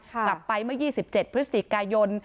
กลับไปเมื่อ๒๗พฤศจิกายน